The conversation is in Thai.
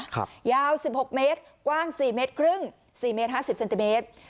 ยาวสิบหกเมตรกว้างสี่เมตรครึ่งสี่เมตรห้าสิบเซนติเมตร